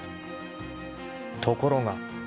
［ところが。